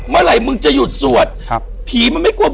อยู่ที่แม่ศรีวิรัยิลครับ